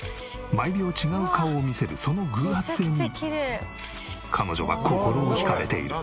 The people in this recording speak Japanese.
毎秒違う顔を見せるその偶発性に彼女は心を惹かれている。